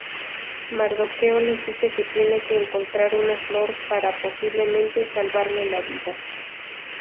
Mardoqueo les dice que tienen que encontrar una flor para posiblemente, salvarle la vida.